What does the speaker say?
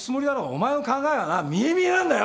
お前の考えはな見え見えなんだよ！